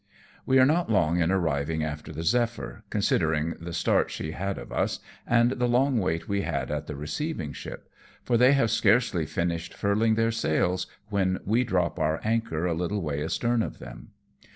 We are not long in arriving after the Zephyr, con sidering the start she had of us, and the long wait we had at the receiving ship ; for they have scarcely finished furling their sails when we drop our anchor a little way astern of them.